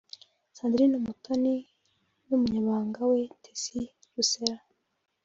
Sandrine Umutoni; n’Umunyamabanga we Tessy Rusera